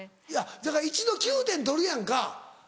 だから一度９点取るやんか。